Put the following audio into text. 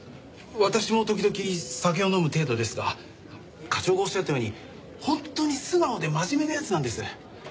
私も時々酒を飲む程度ですが課長がおっしゃったように本当に素直で真面目な奴なんです。